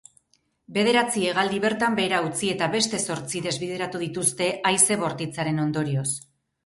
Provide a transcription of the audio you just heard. Bederatzi hegaldi bertan behera utzi eta beste zortzi desbideratu dituzte haize bortitzaren ondorioz.